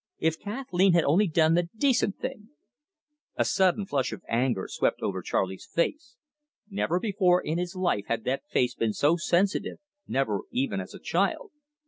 If Kathleen had only done the decent thing " A sudden flush of anger swept over Charley's face never before in his life had that face been so sensitive, never even as a child.